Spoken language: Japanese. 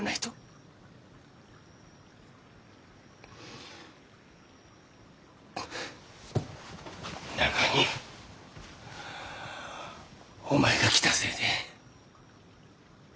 はあなのにお前が来たせいで。